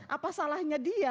apa salahnya dia